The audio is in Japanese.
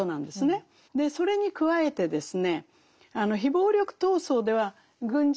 それに加えてですね